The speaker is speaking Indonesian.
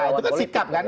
itu kan sikap kan